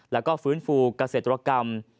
แล้วก็ฟื้นฟูเกษตรกรรม